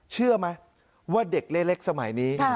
เชื่อไหมว่าเด็กเล็กสมัยนี้